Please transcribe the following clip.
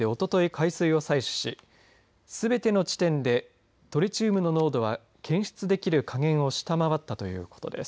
海水を採取しすべての地点でトリチウムの濃度は検出できる下限を下回ったということです。